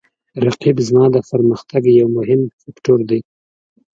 رقیب زما د پرمختګ یو مهم فکتور دی